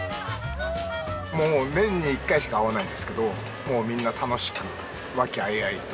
もう年に一回しか会わないんですけどみんな楽しく和気あいあいと。